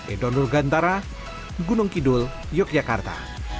edonur gantara gunung kidul yogyakarta